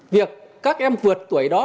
việc các em vượt tuổi đó